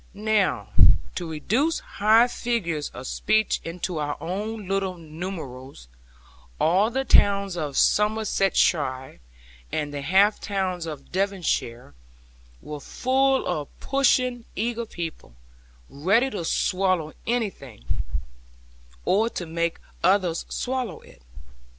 Now, to reduce high figures of speech into our own little numerals, all the towns of Somersetshire and half the towns of Devonshire were full of pushing eager people, ready to swallow anything, or to make others swallow it.